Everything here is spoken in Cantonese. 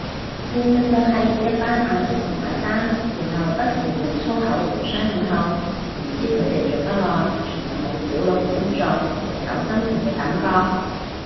現實就係一班阿叔同阿生，然後不時用粗口互相問候，唔知佢哋做得耐仲有冇小鹿亂撞日久生情嘅感覺